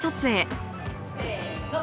せの。